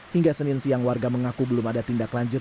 hingga senin siang warga mengaku belum ada tindak lanjut